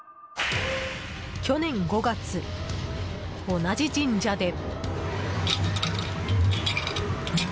去年５月、同じ神社で。